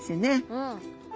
うん。